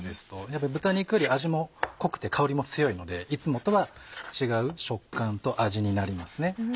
やっぱり豚肉より味も濃くて香りも強いのでいつもとは違う食感と味になります。